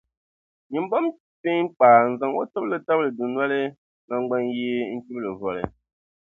nyin’ bomi peeŋkpaa n-zaŋ o tibili tabili dunoli naŋgbanyee n-chibi li voli.